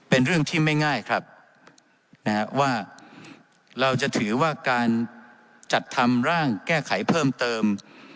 เป็นเรื่องที่ไม่ง่ายครับนะฮะว่าเราจะถือว่าการจัดทำร่างแก้ไขเพิ่มเติม